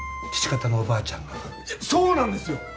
父方のおばあちゃんがそうなんですよ！